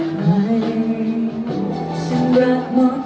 ถ้าฉันรักใคร